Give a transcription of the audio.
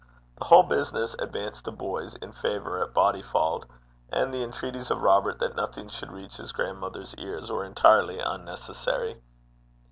The whole business advanced the boys in favour at Bodyfauld; and the entreaties of Robert that nothing should reach his grandmother's ears were entirely unnecessary.